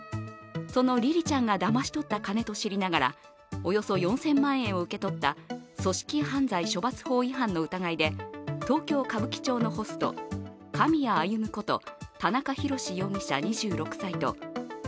そのりりちゃんがだまし取った金と知りながらおよそ４０００万円を受け取った組織犯罪処罰法違反の疑いで東京・歌舞伎町のホスト狼谷歩こと田中裕志